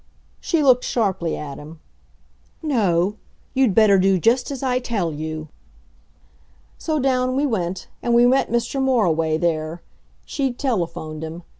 She looked sharply at him. "No; you'd better do just as I tell you." So down we went. And we met Mr. Moriway there. She'd telephoned him.